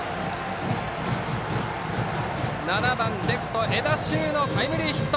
７番レフト、江田修のタイムリーヒット！